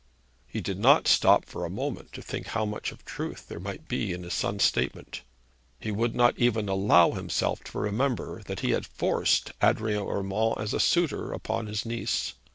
He did not stop for a moment to think how much of truth there might be in his son's statement. He would not even allow himself to remember that he had forced Adrian Urmand as a suitor upon his niece.